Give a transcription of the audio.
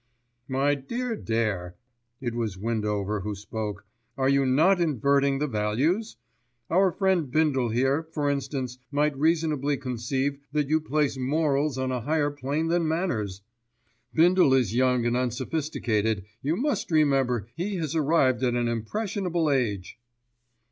"My dear Dare," it was Windover who spoke, "are you not inverting the values? Our friend Bindle here, for instance, might reasonably conceive that you place morals on a higher plane than manners. Bindle is young and unsophisticated, you must remember he has arrived at an impressionable age."